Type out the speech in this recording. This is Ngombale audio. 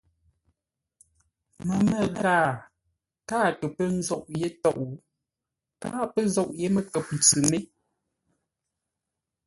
Məmə́ ghaa káa kə pə́ nzôʼ yé tôʼ, káa pə́ zôʼ yé məkəp-ntsʉ mé.